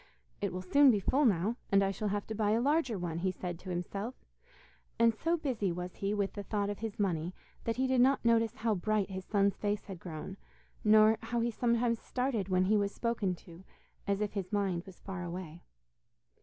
'It will soon be full now, and I shall have to buy a larger one,' he said to himself, and so busy was he with the thought of his money, that he did not notice how bright his son's face had grown, nor how he sometimes started when he was spoken to, as if his mind was far away.